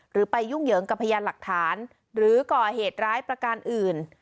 ไปยุ่งเหยิงกับพยานหลักฐานหรือก่อเหตุร้ายประการอื่น